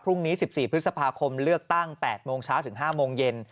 พรุ่งนี้๑๔พฤษภาคมเลือกตั้ง๘โมงเช้าถึง๕โมงเย็น